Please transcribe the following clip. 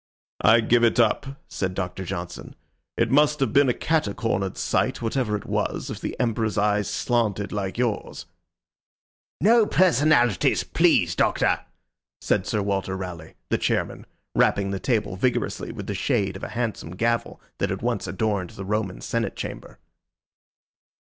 "I give it up," said Doctor Johnson. "It must have been a catacornered sight, whatever it was, if the Emperor's eyes slanted like yours." "No personalities, please, Doctor," said Sir Walter Raleigh, the chairman, rapping the table vigorously with the shade of a handsome gavel that had once adorned the Roman Senate chamber.